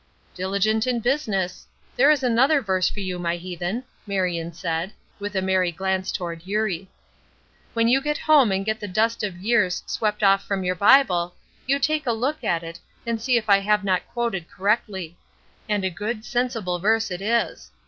"'Diligent in business.' There is another verse for you, my heathen," Marion said, with a merry glance toward Eurie. "When you get home and get the dust of years swept off from your Bible, you take a look at it, and see if I have not quoted correctly. And a good, sensible verse it is.